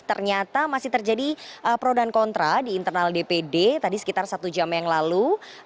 ternyata masih terjadi pro dan kontra di internal dpd tadi sekitar satu jam yang lalu